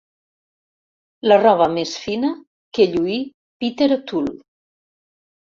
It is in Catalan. La roba més fina que lluí Peter O'Toole.